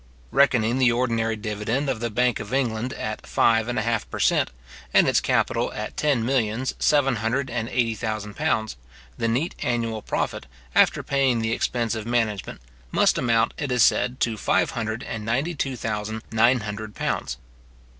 Reckoning the ordinary dividend of the bank of England at five and a half per cent., and its capital at ten millions seven hundred and eighty thousand pounds, the neat annual profit, after paying the expense of management, must amount, it is said, to five hundred and ninety two thousand nine hundred pounds.